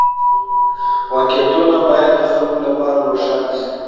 واقعيتونه بايد د خلګو لپاره روښانه سي.